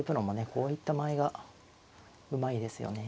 こういった間合いがうまいですよね。